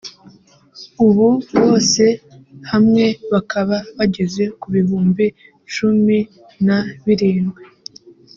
ubu bose hamwe bakaba bageze ku bihumbi cumin a birindwi